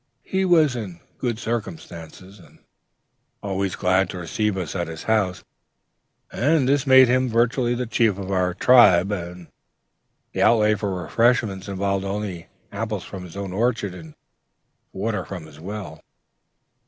He was in good circumstances, and always glad to receive us at his house, as this made him virtually the chief of our tribe, and the outlay for refreshments involved only the apples from his own orchard, and water from his well....